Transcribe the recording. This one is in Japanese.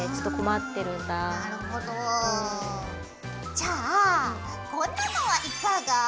じゃあこんなのはいかが？